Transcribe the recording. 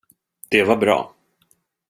Det var bra.